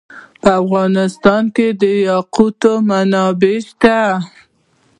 په افغانستان کې د یاقوت منابع شته.